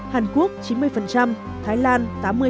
hàn quốc chín mươi thái lan tám mươi